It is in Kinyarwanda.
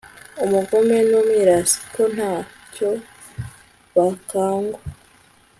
umugome n'umwirasi bo nta cyo bakangwa